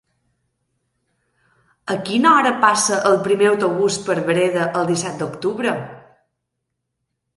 A quina hora passa el primer autobús per Breda el disset d'octubre?